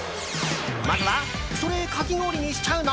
まずはそれ、かき氷にしちゃうの？